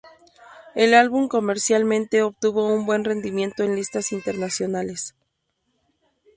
El Álbum comercialmente Obtuvo un buen rendimiento en Listas Internacionales.